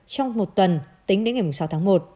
trong một tuần tính đến ngày sáu tháng một